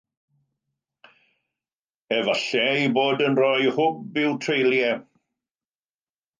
Efallai eu bod yn rhoi hwb i'w treuliau.